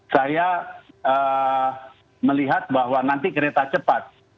saya melihat bahwa nanti kereta cepat